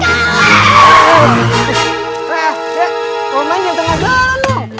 hei kalian yang tengah jalan loh